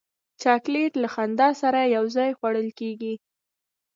چاکلېټ له خندا سره یو ځای خوړل کېږي.